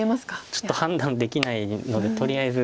ちょっと判断できないのでとりあえず。